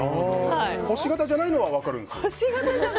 星形じゃないのは分かるんですよ。